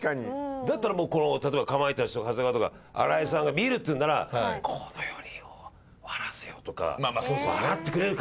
だったらもう例えばかまいたちとか長谷川とか新井さんが見るっていうなら「この４人を笑わせよう」とか「笑ってくれるかな」で。